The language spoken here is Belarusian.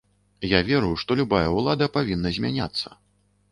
Я веру, што любая ўлада павінна змяняцца.